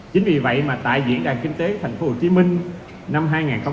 chính vì vậy mà tại diễn đàn kinh tế thành phố hồ chí minh năm hai nghìn hai mươi ba